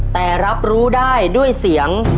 แต่รับรู้ได้ด้วยเสียง